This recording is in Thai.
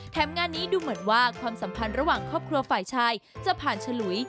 งานนี้ดูเหมือนว่าความสัมพันธ์ระหว่างครอบครัวฝ่ายชายจะผ่านฉลุย